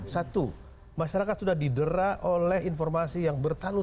satu masyarakat sudah didera oleh informasi yang bertalu